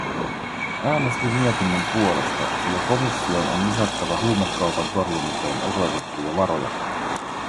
Äänestin mietinnön puolesta, sillä komission on lisättävä huumekaupan torjumiseen osoitettuja varoja.